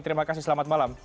terima kasih selamat malam